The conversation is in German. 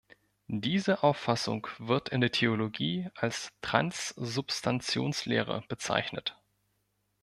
Diese Auffassung wird in der Theologie als Transsubstantiationslehre bezeichnet.